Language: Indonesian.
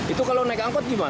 itu kalau naik angkot gimana